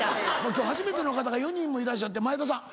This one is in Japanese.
今日初めての方が４人もいらっしゃって前田さん。